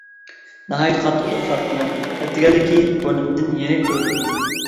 ناھايىتى قاتتىق ئۇخلاپتىمەن، ئەتىگەنلىكى ئورنۇمدىن يېنىك تۇردۇم.